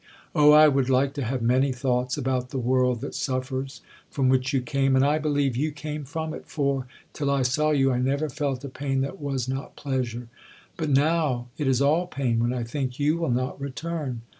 Oh, I would like to have many thoughts about the world that suffers, from which you came; and I believe you came from it, for, till I saw you, I never felt a pain that was not pleasure; but now, it is all pain when I think you will not return.'